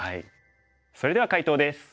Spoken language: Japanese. それでは解答です。